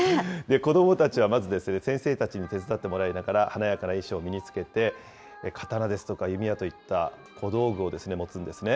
子どもたちはまず、先生たちに手伝ってもらいながら、華やかな衣装を身に着けて、刀ですとか弓矢といった小道具を持つんですね。